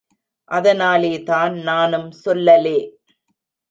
அதனாலேதான் நானும் சொல்லலே.